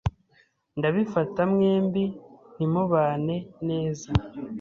Ndabifata mwembi ntimubane neza.